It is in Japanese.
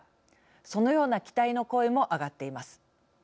そのような期待の声も上がっています。